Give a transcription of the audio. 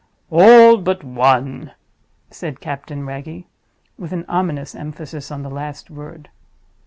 "All but ONE," said Captain Wragge, with an ominous emphasis on the last word.